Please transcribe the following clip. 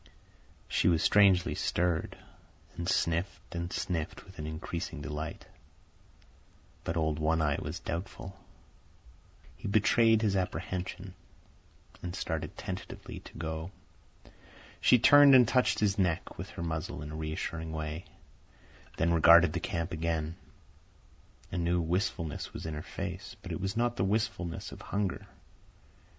She was strangely stirred, and sniffed and sniffed with an increasing delight. But old One Eye was doubtful. He betrayed his apprehension, and started tentatively to go. She turned and touched his neck with her muzzle in a reassuring way, then regarded the camp again. A new wistfulness was in her face, but it was not the wistfulness of hunger.